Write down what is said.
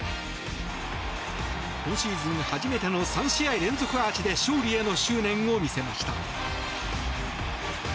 今シーズン初めての３試合連続アーチで勝利への執念を見せました。